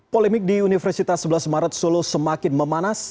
polemik di universitas sebelas maret solo semakin memanas